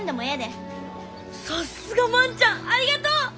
さすが万ちゃんありがとう！